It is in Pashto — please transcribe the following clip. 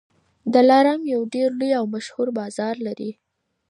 دلارام یو ډېر لوی او مشهور بازار لري.